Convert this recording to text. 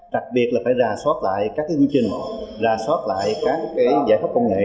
đặc biệt là phải ra soát lại các hướng chênh ra soát lại các giải pháp công nghệ